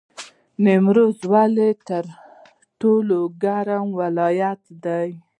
نیمروز ولې تر ټولو ګرم ولایت دی؟